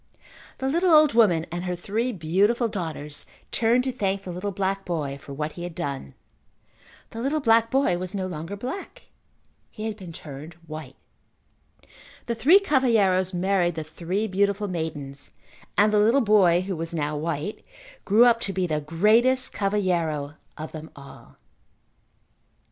The little old woman and her three beautiful daughters turned to thank the little black boy for what he had done. The little black boy was no longer black. He had been turned white. The three cavalheiros married the three beautiful maidens and the little boy who was now white, grew up to be the greatest cavalheiro of them all.